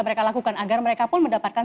mereka lakukan agar mereka pun mendapatkan